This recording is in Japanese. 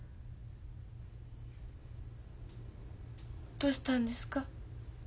どうしたんですか？